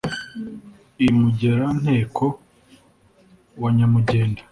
i mugera-nteko wa nyamugenda